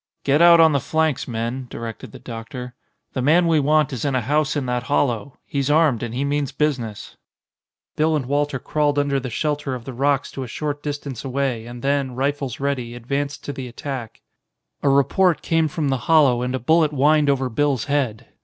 "Get out on the flanks, men," directed the doctor. "The man we want is in a house in that hollow. He's armed, and he means business." Bill and Walter crawled under the shelter of the rocks to a short distance away and then, rifles ready, advanced to the attack. A report came from the hollow and a bullet whined over Bill's head.